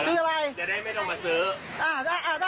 อ่าได้ไม่เป็นไร